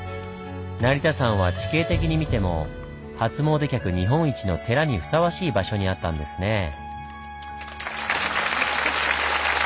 成田山は地形的に見ても初詣客日本一の寺にふさわしい場所にあったんですね。